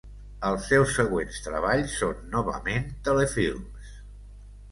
Els seus següents treballs són, novament, telefilms.